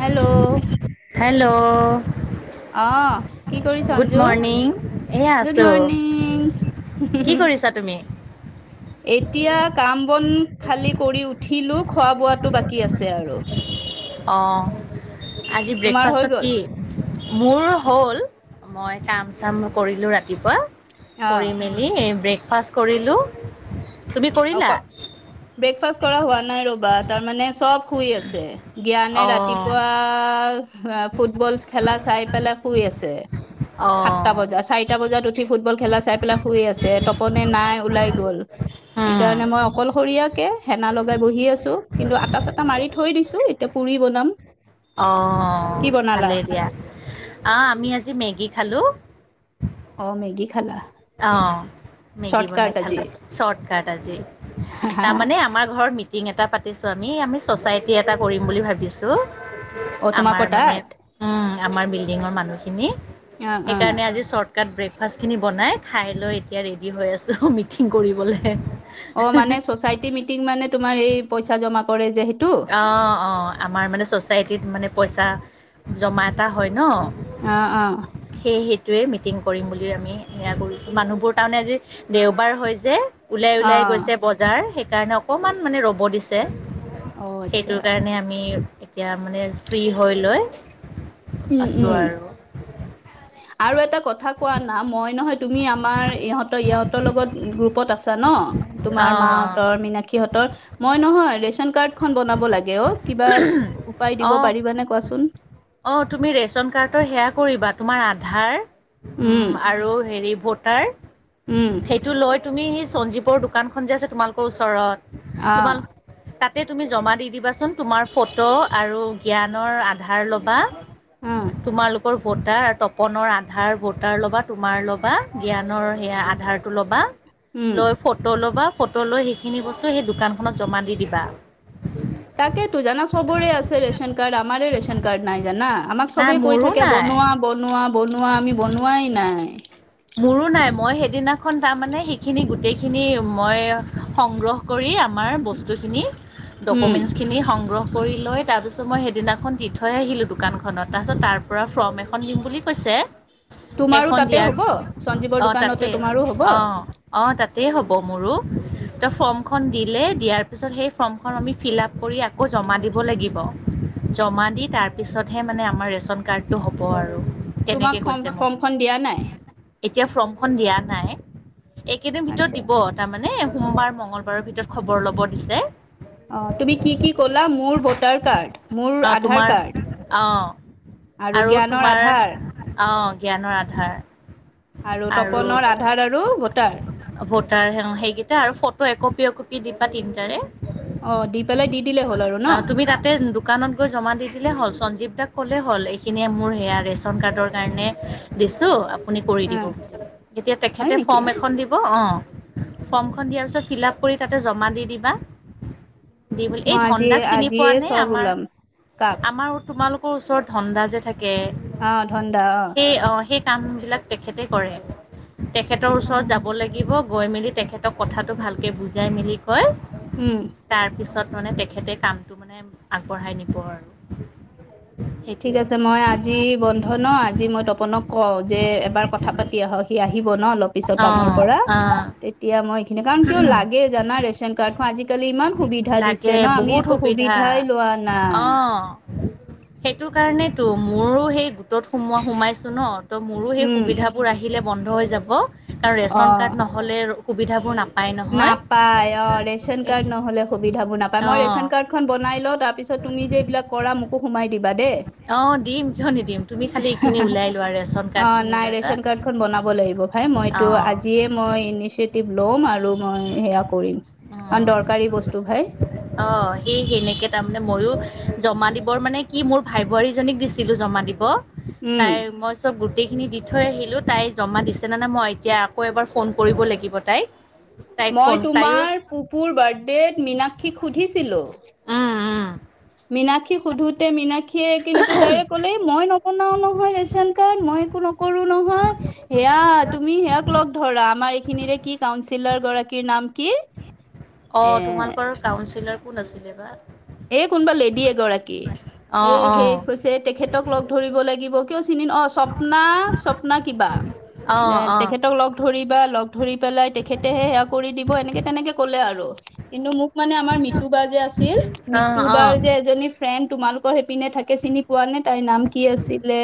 Hello hello অহ কি কৰি গুড সঞ্জু মৰ্ণিং এয়া গুড আছোঁ মৰ্নিং হু কি হু কৰিছা তুমি এতিয়া কাম বন খালী কৰি উঠিলো খোৱা বোৱাটো বাকী আছে আৰু অ আজি তোমাৰ হৈ ব্ৰেকফাষ্টত গ'ল কি মোৰ হ'ল মই কাম চাম কৰিলো ৰাতিপুৱা অ কৰি মেলি ব্ৰেকফাষ্ট কৰিলো অ'ক ব্ৰেকফাষ্ট কৰা হোৱা নাই ৰ'বা তাৰ মানে চব শুই আছে জ্ঞানে অঁ ৰাতিপুৱা, ফুটবল খেলা চাই পেলাই শুই আছে। অঁ সাতটা বজাত, চাৰিটা বজাত উঠি ফুটবল খেলা চাই পেলাই শুই আছে তপনে নাই ওলাই গ'ল। হুম সেইকাৰণে মই অকলশৰীয়াকে হেনা লগাই বহি আছো। কিন্তু আটা চাটা মাৰি থৈ দিছো। এতিয়া পুৰি বনাম। কি অ' বনালা? ভালেই দিয়া। আহ আমি আজি মেগী খালো। অ' মেগী খালা। অ মেগী চৰ্টকাট বনাই আজি। খালো। চৰ্টকাট আজি। তাৰ মানে আমাৰ ঘৰত মিটিং এটা পাতিছো আমি, আমি চচাইটি এটা কৰিম বুলি ভাবিছো। অ' আমাৰ তোমাকৰ মানে, তাত? উম আমাৰ বিল্ডিঙৰ মানুহখিনি অ' অ'। সেইকাৰণে আজি চৰ্টকাট ব্ৰেকফাষ্টখিনি বনাই খাইলৈ এতিয়া ৰেডি হৈ আছো মিটিং কৰিবলে। অ' মানে চচাইটি মিটিং মানে তোমাৰ এই পইচা জমা কৰে যে সেইটো? অ অ আমাৰ মানে চ'চাইটিত মানে পইচা জমা এটা হয় ন, অ অ টোৱে মিটিং কৰিম বুলি আমি সেয়া কৰিছোঁ। মানুহবোৰ তাৰমানে আজি দেওবাৰ হয় যে, ওলাই ওলাই অ' গৈছে বজাৰ, সেইকাৰণে অকণমান মানে ৰ'ব দিছে। অ' আচ্ছা। সেইটোৰ কাৰণে আমি এতিয়া মানে ফ্ৰী হৈ লৈ, উম আছোঁ উম আৰু আৰু এটা কথা কোৱা না মই নহয় তুমি আমাৰ ইহঁতৰ ইহঁতৰ লগত গ্ৰুপত আছা ন। তোমাৰ মাৰ অঁ হতঁৰ, মীনাসী হঁতৰ মই নহয় ৰেচন কাৰ্ডখন বনাব লাগে অ', কিবা উপায় দিব অঁ অঁ পাৰিবনে কোৱাচোন? অঁ তুমি ৰেচন কাৰ্ডৰ সেৱা কৰিবা তোমাৰ আধাৰ উম আৰু হেৰি ভোট উম। সেইটো লৈ তুমি সঞ্জীৱৰ দোকানখন যে আছে তোমালোকৰ ওচৰত, অহ তোমাৰ তাতে তুমি জমা দি দিবাচোন তোমাৰ ফটো আৰু জ্ঞানৰ আধাৰ ল'বা। অ' তোমালোকৰ ভোটাৰ তপনৰ আধাৰ ভোটাৰ ল'বা, তোমাৰ ল'বা, জ্ঞানৰ সেয়া আধাৰটো ল'বা। উম। লৈ ফটো ল'বা, ফটো লৈ সেইখিনি বস্তু সেই দোকানখনত জমা দি দিবা। তাকেইতো জানা চবৰে আছে ৰেচন কাৰ্ড। আমাৰ ৰেচন কাৰ্ড নাই জানা। আমাক নাই চবেই কৈ মোৰো থাকে নাই বনোৱা বনোৱা বনোৱা আমি বনোৱাই নাই। মোৰো নাই মই সেইদিনাখন তাৰমানে সেইখিনি গোটেইখিনি মই সংগ্ৰহ কৰি আমাৰ বস্তুখিনি উম ডকমেন্টচখিনি সংগ্ৰহ কৰি লৈ তাৰপিছত মই সেইদিনাখন দি থৈ আহিলোঁ দোকানখনত। তাৰপিছত তাৰ পৰা ফ্ৰম এখন দিম বুলি কৈছে [unintelligible] তোমাৰো সেইখন তাতে দিয়াৰ হ'ব, সঞ্জীৱৰ অঁ তাতে দোকানতে তোমাৰো হ'ব? অঁ অঁ তাতেই হ'ব মোৰো। ত' ফ্ৰমখন দিলে, দিয়াৰ পিছত সেই ফ্ৰমখন আমি ফিলাপ কৰি আকৌ জমা দিব লাগিব। জমা দি তাৰপিছতহে মানে আমাৰ ৰেচন কাৰ্ডটো হ'ব আৰু। তোমাক তেনেকে ফৰ্ম কৈছে মোক। ফৰ্মখন দিয়া নাই এতিয়া ফ্ৰমখন দিয়া নাই। এইকেইদিন ভিতৰত আচ্ছা দিব তাৰমানে সোমবাৰ, মঙগলবাৰৰ ভিতৰত খবৰ ল'ব দিছে। অহ, তুমি কি -কি ক'লা। মোৰ ভোটাৰ কাৰ্ড, মোৰ অ আধাৰ তোমাৰ কাৰ্ড, অ আৰু জ্ঞানৰ তোমাৰ আধাৰ অ' জ্ঞানৰ আধাৰ আৰু তপনৰ আধাৰ আৰু ভোটাৰ ভোটাৰ অহ সেইকেইটা আৰু ফটো একপি -একপি [unintelligible] তিনটাৰে অ দি পেলাই দি দিলে হ'ল আৰু ন [unintelligible] তুমি তাতে দোকানত গৈ জমা দি দিলে হ'ল। সঞ্জীৱ দাক কলে হ'ল এইখিনিয়ে মোৰ সেয়া ৰেচন- কাৰ্ডৰ কাৰণে দিছো আপুনি কৰি অ দিব বুলি এতিয়া হয় তেখেতে নেকি ফৰ্ম এখন দিব অ' ফৰ্মখন দিয়াৰ পিছত ফিল -আপ কৰি তাতে জমা দি দিবা। দি বুলি এই মই আজি ধন্দাক চিনি আজিয়ে পোৱা নে চব আমাৰ- ওলাম কাক আমাৰ তোমালোকৰ ওচৰত ধন্দা যে থাকে অ ধন কৈ দা অ সেই অ'সেই কাম বিলাক তেখেতে কৰে তেখেতৰ অ, ওচৰত যাব লাগিব। গৈ মেলি তেখেতক কথাটো ভালকৈ বুজাই মেলি কয় উম তাৰপিছত মানে তেখেতে কামটো মানে আগবঢ়াই নিব আৰু। ঠিক সেইটোৱে আছে মই আজি বন্ধ ন' আজি মই তপনক কওঁ যে এবাৰ কথা -পাতি আহক সি আহিব ন' অলপ পিছত কামৰ অঁ পৰা অঁ তেতিয়া মই কাৰণ কিয় লাগে জানা ৰেচন কাৰ্ড খন আজিকালি ইমান সুবিধা দিছে লাগে ন' আমি বহুত একো সুবিধা সুবিধাই লোৱা নাই। অঁ সেইটো কাৰণেতো মোৰো সেই গোটত সোমোৱা সোমাইছো ন' ত' মোৰো সেই উম সুবিধাবোৰ আহিলে বন্ধ হৈ যাব কাৰণ ৰেচন -কাৰ্ড নহ'লে সুবিধাবোৰ নাপা নাপাই অ' ৰেচন -কাৰ্ড নহলে সুবিধাবোৰ নাপায় মই অঁ ৰেচন- কাৰ্ড খন বনাই লও তাৰ পিছত তুমি যে এইবিলাক কৰা মোকো সোমাই দিবা দেই। অঁ দিম কিয় নিদিম তুমি খালি এইখিনি ওলাই [unintelligible] লোৱা ৰেচন অ', কাৰ্ডখিনি নাই ওলাই লোৱা ৰেচন কাৰ্ড খন বনাব লাগিব ভাল এ মইতো অঁ আজিয়ে মই ইনিচিয়েটিভ ল'ম আৰু মই সেয়া কৰিম কাৰন উম, দৰকাৰী বস্তু ভাই। অঁ সেই সেনেকৈ তাৰমানে ময়ো জমা দিবৰ মানে কি মোৰ ভাই -বোৱাৰীজনীক দিছিলোঁ জমা দিব উম, তাই মই চব গোটেইখিনি দি থৈ আহিলো তাই জমা দিছেনে নে নাই মই এতিয়া আকৌ এবাৰ ফোন কৰিব লাগিব তাই মই তোমাৰ পুপুৰ বাৰ্থডেত মীনাক্ষীক সুধিছিলোঁ। উম উম মিনাক্ষী সোধোতে মিনা খিয়ে কিন্তু ডাইৰেক ক'লে মই নবনাও নহয় ৰেচন কাৰ্ড মই একো নকৰো [inaudible] নহয়। সেয়া তুমি সেয়াক লগ ধৰা আমাৰ এইখিনিৰে কি কাউঞ্চিলৰ গৰাকীৰ নাম কি? অহ, এ তোমালোকৰ কাউচিলাৰ কোন আছিলে বা এ' কোনবা লেডী এগৰাকী এ অঁ অঁ শেষ হৈছে তেখেতক লগ ধৰিব লাগিব কিয় চিনি ন স্বপ্না - স্বপ্না কিবা অঁ অঁ তেখেতক লগ ধৰিবা লগ ধৰি পেলাই তেখেতেহে সেয়া কৰি দিব এনেকে তেনেকে কলে আৰু কিন্তু মোক মানে আমাৰ মিতু বাই যে আছিল অঁ মিতু বাৰ যে এজনী ফ্ৰেণ্ড তোমালোকৰ সেইপিনে থাকে চিনি পোৱা নে তাইৰ নাম কি আছিলে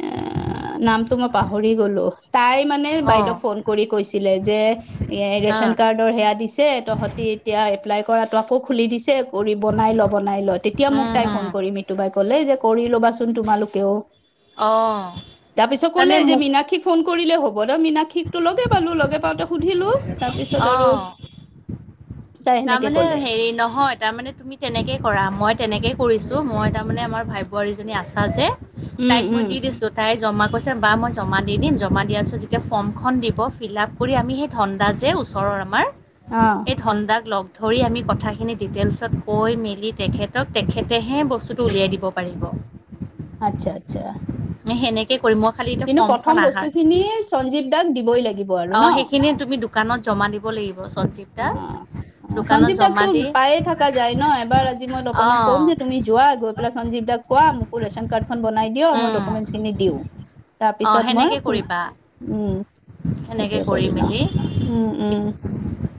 এ নামটো মই পাহৰি গলো তাই মানে অঁ অঁ বাইদেউক ফোন কৰি কৈছিলে যে এ ৰেচন অঁ -কাৰ্ডৰ সেয়া দিছে তহঁতি এতিয়া এপ্লাই কৰাটো আকৌ খুলি দিছে কৰি বনাই ল' -বনাই ল' তেতিয়া মোক উম তাই ফোন উম কৰি মিতু বাই ক'লে যে কৰি লবাচোন তোমালোকেও অঁ তাৰপিছত কলে তাৰমানে যে মোক মিনাক্ষীক ফোন কৰিলে হ'ব। বদ মীনাাক্ষীকতো লগে পালো। লগে পাওঁতে সুধিলো তাৰ পিছত আৰু। অ', তাই সেনেকে কলে। তাৰ মানে তুমি তেনেকে কৰা মই তেনেকে কৰিছোঁ মই তাৰমানে আমাৰ ভাই বোৱাৰীজনী আছা যে। উম তাইক মই উম দি দিছো তাই জমা। কৈছে বা মই জমা দি দিম। জমা দিয়াৰ পিছত যেতিয়া ফৰ্মখন দিব ফিল আপ কৰি আমি সেই ধনন্দা যে ওচৰৰ আমাৰ। আহ। এই ধন্দাক লগ ধৰি আমি কথাখিনি ডিটেইলছত কৈ মেলি তেখেতক তেখেতেহে বস্তুটো উলিয়াই দিব পাৰি। পাৰিব। আচ্ছা আচ্ছা। সেনেকে কৰিম মই। খালি এতিয়া কিন্তু ফৰ্মখন প্ৰথম আহাৰ বস্তু খিনি সঞ্জীৱ দাক দিবই লাগিব। আৰু অ ন সেইখিনি তুমি দোকানত জমা দিব লাগিব সঞ্জীৱ অ দাক। অ সঞ্জীৱ দাক তো পায়ে থকা যায় ন, এবাৰ আজি মই তপনক ক'ম অ', যে তুমি যোৱা গৈ পেলাই সঞ্জীৱ দাক। কোৱা মোকো ৰেচন কাৰ্ডখনন বনাই। এতিয়াও মই উম দকোমেন খিনি দিওঁ, তাৰ অ পিছত মই সেনেকে সোনকাল কৰিবা উম। সেইটোৱে কৰি ন উম উম।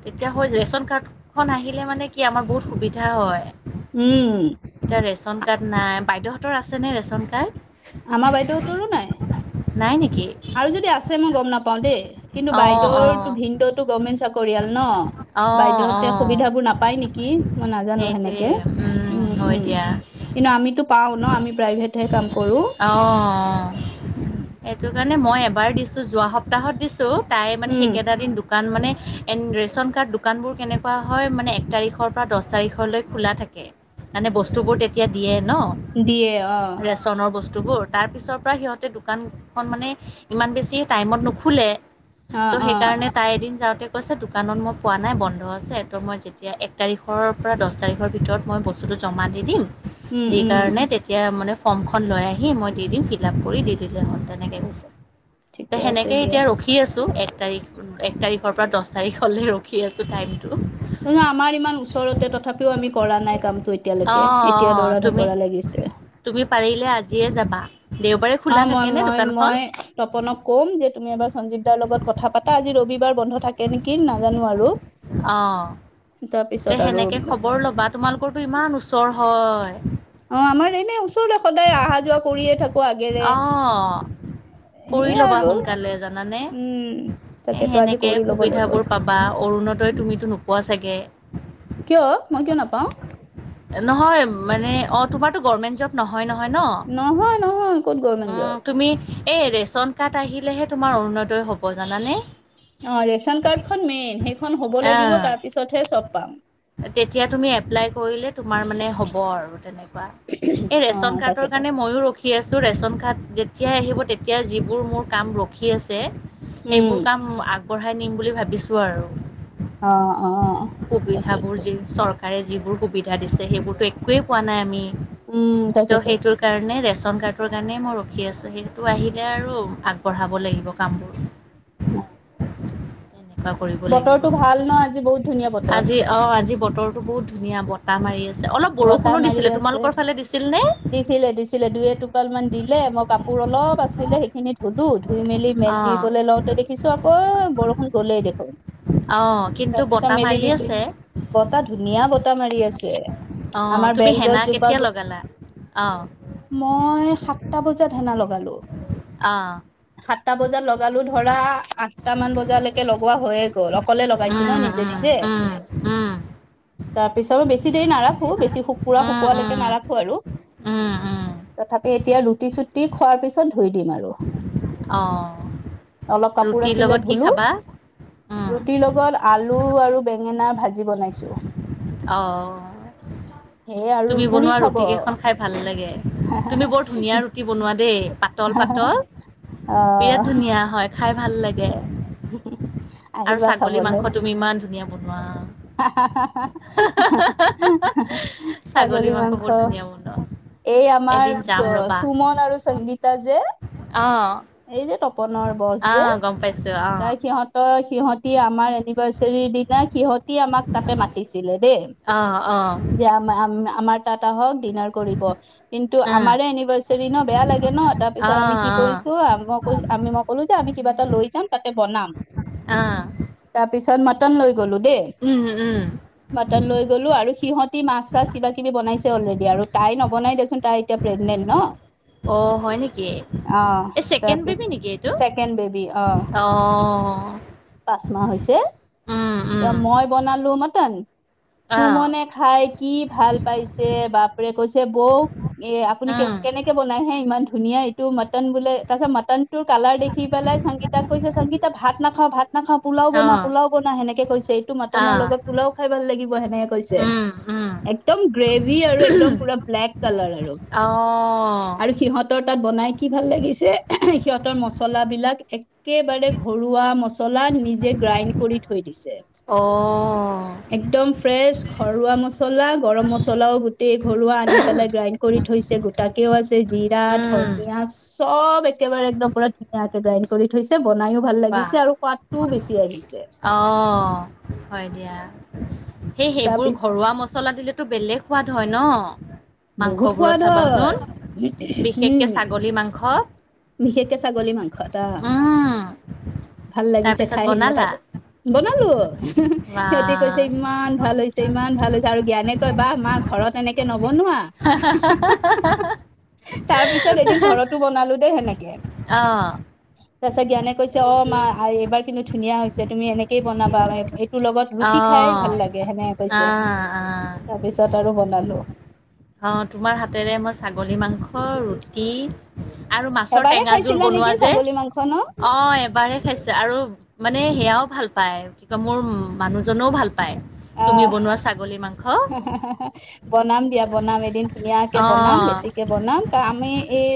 এতিয়া হয় ৰেচন কাৰ্ডখন আহিলে মানে কি আমাৰ বহুত সুবিধা হয়। উম। এতিয়া ৰেচন কাৰ্ড নাই বাইদেউহঁতৰ আছেনে ৰেচন কাৰ্ড। আমাৰ বাইদেউহতৰো নাই। নাই নেকি আৰু যদি আছে মই গম নাপাওঁ দেই, কিন্তু অ অ বাইদেউৰটো ভিনটোতটো গভমেণ্ট চাকৰিয়াল অ ন। অ বাইদেউহতে সুবিধাবোৰ নাপায় নেকি। মই নাজানো সেইটোৱে সেনেকে উম হয় উম। দিয়া কিন্তু আমিতো পাওঁ ন আমি প্ৰাইভেটহে কাম কৰো। অ' সেইটো কাৰণে মই এবাৰ দিছো যোৱা সপ্তাহত দিছো। তো তাই মানে উম সেইকেটা দিন দোকান। দোকাণ মানে এ ৰেচন কাৰ্ড দোকানবোৰ কেনেকুৱা হয় মানে এক তাৰিখৰ পৰা দহ তাৰিখলৈ খোলা থাকে। মানে বস্তুবোৰ তেতিয়া দিয়ে ন দিয়ে অ ৰেচনৰ বস্তু। বস্তু বোৰ তাৰ পিছৰ পৰা সিহঁতে দোকানখন মানে ইমান বেছি টাইমত নোখোলে। অ ত' অ সেইকাৰণে তাই এদিন যাওঁতে। কৈছে দোকানত মই পোৱা নাই বন্ধ আছে তো মই যেতিয়া এক তাৰিখৰ পৰা দহ তাৰিখৰ ভিতৰত মই বস্তুটো। জমা দি দিম উম উম সেইকাৰণে ফ্ৰমখন লৈ আহিম। আহি মই দি দিম, ফিল আপ কৰি দি দিলোঁ এ তেনেকৈ গৈছে তো ঠিকে আছে সেনেকৈ দিয়া এতিয়া ৰখি আছোঁ এক। এক তাৰিখ এক তাৰিখৰ পৰা দহ তাৰিখলৈ ৰখি আছোঁ টাইম। ন আমাৰ ইমান ওচৰতে তথাপিও আমি কৰা নাই কামতটো অঁ এতিয়ালৈকে এতিয়া অঁ দৌৰা তুমি ঢকৰা লাগিছে। তুমি পাৰিলে আজিয়ে যাবা। দেওবাৰে অ খোলা মই থাকেনে মই দোকানখন মই তপনক কম যে তুমি এবাৰ সঞ্জীৱ দাৰ লগত কথা পাতা আজি ৰবিবাৰ বন্ধ থাকে। কেনেকি নাজানো আৰু। অ তে তাৰপিছত আৰু সেনেকে খবৰ ল'বা তোমালোকৰটো ইমান ওচৰ হয়। অ' আমাৰ এনে ওচৰতে সদায় অহা যোৱা কৰিয়ে থাকো আগেৰে। অ' কৰি সেইয়াই লবা আৰু সোনকালে জানানে উম এ তাকেতো আজি সেনেকে কৰি ল'ব লাগিব সুবিধাবোৰ পাবা অৰু। অৰুণোদয় তুমিতো নোপোৱা চাগে। কিয় মই কিয় নাপাওঁ। নহয় মানে অ তোমাৰো গৰ্মেন্ট জৰ্ব নহয় নহয়। হয় নহয় নহয় ক'ত ন গভমেন্ট জব উম তুমি। এই ৰেচন কাৰ্ড আহিলেহে তোমাৰ অৰুণোদয় হ'ব জানানে। অ ৰেচন কাৰ্ডখন মেইন সেইখন হ'ব লাগিব অ' তাৰ পিছতহে চব পাম। তেতিয়া তুমি এপ্লাই কৰিলে তোমাৰ মানে হ'ব আৰু তেনেকুৱা। এই ৰেচন অ', কাৰ্ডৰ তাকেতো কাৰণে ময়ো ৰখি আছো ৰেচন কাৰ্ড। যেতিয়াই আহিব তেতিয়া যিবোৰ মোৰ কাম ৰখি আছে উম, সেইবোৰ কাম আ। আগবঢ়াই নিম বুলি ভাবিছো আৰু অ', অ', সুবিধা বোৰ তাকেইতো যে চৰ কাৰে যিবোৰ সুবিধা দিছে সেইবোৰতো একোয়েই পোৱা নাই আমি উম, ত তাকেতো সেইটোৰ কাৰণে ৰেচন ৰেচন কাৰ্ডটোৰ কাৰণেই মই ৰখি আছোঁ সেইটো আহিলে আৰু আগবঢ়াব লাগিব কামবোৰ অ, অহ কৰিব লাগিব বতৰটো ভাল ন' আজি বহুত ধুনীয়া বতৰ। আজি অ আজি বতৰটো বহুত ধুনীয়া বতাহ মাৰি আছে অলপ বতাহ বৰষুণো মাৰি দিছিলে আছে তোমালোকৰ ফালে দি দিছিলে দিছিলে দুই এটোপাল মান দিলে মই কাপোৰ অলপ আছিলে সেইখিনি ধুলো ধুই মেলি অঁ মেলিবলৈ লওঁতে দেখিছো আকৌ বৰষুণ গ'লেই দেখোন অঁ কিন্তু তাৰপিছত বতাহ মেলি মাৰি দিছো আছে বতাহ ধুনীয়া বতাহ মাৰি আছে অঁ আমাৰ তুমি বেলগছ হেনা জোপা কেতিয়া গো লগালা অঁ মই সাতটা বজাত সেনা লগালো অহ সাতটা বজাত লগ গালো ধৰা আঠটা মান বজালৈকে লগোৱা হৈয়ে গ'ল অকলে লগাইছো ন উম নিজে উম নিজে উম উম তাৰপিছত মই বেছি দেৰি নাৰাখো বেছি শুকুৰা উম উম শুকোৱালৈকে নাৰাখো আৰু। উম উম তথাপি এতিয়া ৰুটি চুটি খোৱাৰ পিছত ধুই দিম আৰু। অঁ অলপ কাপোৰ ৰুটিৰ আছিলে লগত কি ধুলো খাবা উম ৰুটিৰ লগত আ লু আৰু বেঙেনাৰ ভাজি বনাইছো। অ সেয়ে আৰু তুমি পুৰি বনোৱা খাব ৰুটি অ কেইখন খাই ভালে লাগে। তুমি বৰ ধুনীয়া ৰুটি বনোৱা দেই পাতল পাতল বিৰাট ধুনীয়া হয়। খাই ভাল লাগে। উ। আৰু ছাগলী মাংস তুমি ইমান ধুনীয়া বনোৱা। হা হা হা ছাগলী মাংস বহুত ধুনীয়া বনোৱা। এই আমাৰ এদিন যাম ৰ'বা সুমন আৰু সংগীতা যে আহ এই যে তপনৰ বছ যে আহ গম পাইছো আহ তাৰ সিহঁতৰ সিহঁতি আমাৰ এনিভাৰ্চাৰীৰ দিনা সিহঁত সি আমাক তাতে মাতিছিলে দেই আহ যে আমাৰ আমাৰ তাত আহক ডিনাৰ কৰিব কিন্তু আহ আমাৰে এনিভাচেৰী ন বেয়া লাগে। ন তাৰ আহ পিছত আমি কি আহ কৰিছো মই আমি মই ক'লো যে আমি কিবা এটা লৈ যাম তাতে বনাম। আহ। তাৰপিছত মটন লৈ গলো দেই। উম উম। বাটাৰ লৈ গ'লো আৰু সিহঁতি মাছ চাছ কিবা কিবি বাইছে অলৰেডি আৰু তাই নবনাই দেচোন তাই এতিয়া প্ৰেগনেট ন। অ হয় নেকি। অ এই চেকেণ্ড তাৰপিছ বেবি নেকি এইটো ছেকেণ্ড বেবী অ। পাঁচ মাহ হৈছে উম উম মই বনালো মটন। আহ সুমনে খাই কি ভাল পাইছে বাপেৰে কৈছে বৌ এ আপুনি উম কেনেকে বনাইহে ইমান ধুনীয়া এইটো মটন বোলে তাৰপিছত মটন তোৰ কালাৰ দেখি পেলাই সংগীতাক কৈছে সংগীতা ভাত নাখাওঁ ভাত নাখাওঁ পোলাও বনা আহ পোলাও বনা সেনেকে কৈছে এইটো মাটনৰ আহ লগত পোলাও খাই ভাল লাগিব সেনেকে কৈছে। উম উম একদম গ্ৰেভি আৰু একদম পুৰা ব্লেক কালাৰ আৰু আহ আৰু সিহঁতৰ তাত বনাই কি ভাল লাগিছে সিহঁতৰ মছলা বিলাক একেবাৰে ঘৰুৱা ম চলা নিজে গ্ৰাইণ্ড কৰি থৈ দিছে অ একদম ফ্ৰেছ ঘৰুৱা মছলা গৰম মছলাও গোটেই ঘৰুৱা আনি পেলাই গ্ৰাইণ্ড কৰি থৈছে গোটাকেও আছে। জিৰা উম ধনিয়া চব একেবাৰে একদম পুৰা ধুনীয়াকে গ্ৰাইণ্ড কৰি থৈছে। বনাইও ভাল বাহ লাগিছে আৰু সোৱাদটোও বেছি আহিছে অ হয় দিয়া। সেই সেইবোৰ তাৰপিছ ঘৰুৱা মচলা দিলেতো বেলেগ সোৱাদ হয় ন। বহুত মাংসবোৰত সোৱাদ চাবাচোন হয় বিশেষকে উম ছাগলী মাংস। বিশেষকে ছাগলী মাংস এটা উম ভাল লাগিছে তাৰপিছত খাই আহিলিলে বনালা তাততে। বনালো বা সিহঁতি কৈছে ইমান ভাল হৈছে, ইমান ভাল হৈছে আৰু জ্ঞানে কয় বাাহ মাক। ঘৰত এনেকে ন। তাৰপিছত এদিন ঘৰতো বনালো দেই হেনেকে। অ। তাৰ পিছত জ্ঞানে কৈছে অ মা এইবাৰ কিন্তু ধুনীয়া হৈছে তুমি এনেকেই বনাবা এইটো লগত। ক'বাত ৰুটি অঁ খাই ভাল লাগে সেনেকে কৈছে আহ তাৰপিছত আৰু বনালো। অ তোমাৰ হাতেৰে মই ছাগলী মাংস ৰুটি। আৰু মাছৰ এবাৰে টেঙা জোল খাইছিলা বনোৱা নেকি যে। ছাগলী মাংস ন অ এবাৰ খাইছে আৰু মানে সেয়াও ভাল। পায় কি কয় মোৰ মানুহজনেও ভাল পাই। আহ বনাম দিয়া। বনাম এদিন ধুনীয়াকে বনাম অঁ বেছিকে বনাম ত আমি এই।